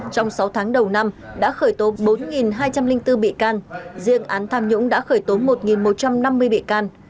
trong sáu tháng đầu năm đã khởi tố bốn hai trăm linh bốn bị can riêng án tham nhũng đã khởi tố một một trăm năm mươi bị can